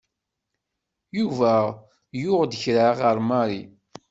Yuba yuɣ-d kra ɣer Mary.